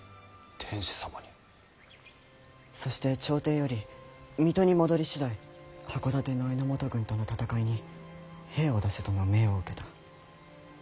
そして朝廷より水戸に戻り次第箱館の榎本軍との戦いに兵を出せとの命を受けた。